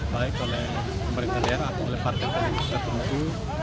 baik oleh pemerintah daerah atau oleh partai partai yang terkunci